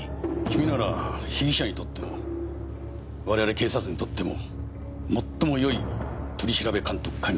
君なら被疑者にとっても我々警察にとっても最もよい取調監督官になれる。